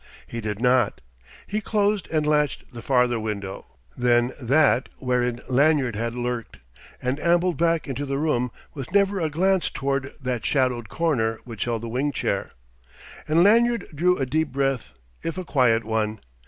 He did not. He closed and latched the farther window, then that wherein Lanyard had lurked, and ambled back into the room with never a glance toward that shadowed corner which held the wing chair. And Lanyard drew a deep breath, if a quiet one.